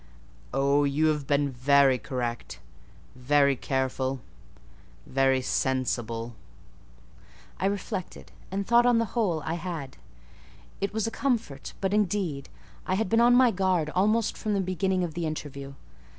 "Oh, you have been very correct—very careful, very sensible." I reflected, and thought, on the whole, I had. It was a comfort; but, indeed, I had been on my guard almost from the beginning of the interview.